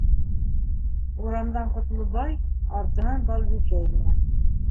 Урамдан Ҡотлобай, артынан Балбикә инә.